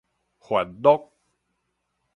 活樂